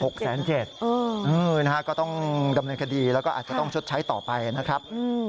นะฮะก็ต้องดำเนินคดีแล้วก็อาจจะต้องชดใช้ต่อไปนะครับ